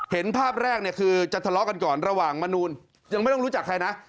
เห็นภาพแรกเนี่ยคือจะทะเลาะกันก่อนระหว่างมนูลยังไม่ต้องรู้จักใครนะ